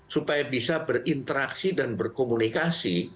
supaya bisa berinteraksi dan berkomunikasi